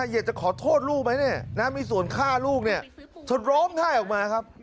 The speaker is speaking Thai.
เยดจะขอโทษลูกไหมมีส่วนฆ่าลูกจะร้องไห้ออกมาครับ